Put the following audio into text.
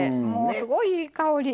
すごい、いい香り。